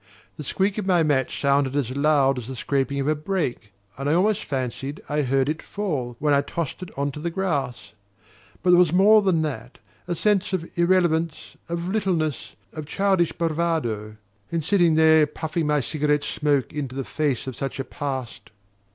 The squeak of my match sounded as loud as the scraping of a brake, and I almost fancied I heard it fall when I tossed it onto the grass. But there was more than that: a sense of irrelevance, of littleness, of childish bravado, in sitting there puffing my cigarette smoke into the face of such a past.